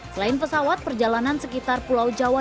selain pesawat perjalanan sekitar pulau jawa